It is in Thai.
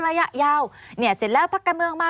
ระยะยาวเนี่ยเสร็จแล้วพักการเมืองมา